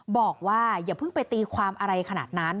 บอกว่าอย่าเพิ่งไปตีความอะไรขนาดนั้น